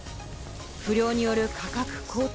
不漁による価格高騰。